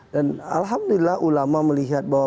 dan alhamdulillah ulama melihat bahwa